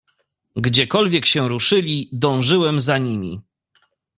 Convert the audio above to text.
"Gdziekolwiek się ruszyli, dążyłem za nimi."